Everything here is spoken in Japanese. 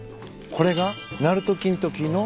これが。